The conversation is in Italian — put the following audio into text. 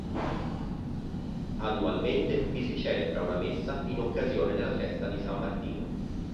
Annualmente vi si celebra una messa in occasione della festa di San Martino.